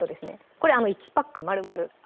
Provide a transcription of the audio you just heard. これ１パックまるまるあります